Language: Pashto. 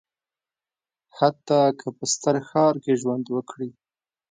حتی که په ستر ښار کې ژوند وکړي.